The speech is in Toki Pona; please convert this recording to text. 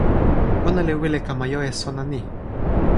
ona li wile kama jo e sona ni.